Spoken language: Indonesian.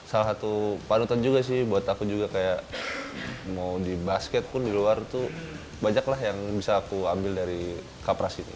salah satu panutan juga sih buat aku juga kayak mau di basket pun di luar tuh banyak lah yang bisa aku ambil dari kapras gitu